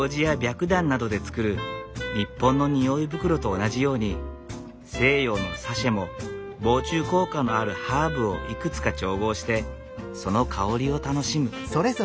くだんなどで作る日本の匂い袋と同じように西洋のサシェも防虫効果のあるハーブをいくつか調合してその香りを楽しむ。